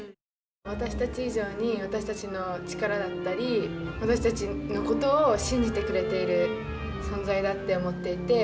私たち以上に私たちの力だったり私たちのことを信じてくれている存在だって思っていて。